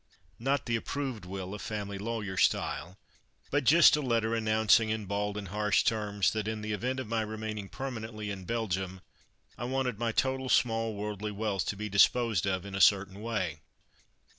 Not the approved will of family lawyer style, but just a letter announcing, in bald and harsh terms that, in the event of my remaining permanently in Belgium, I wanted my total small worldly wealth to be disposed of in a certain way.